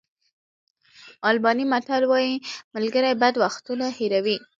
آلباني متل وایي ملګري بد وختونه هېروي.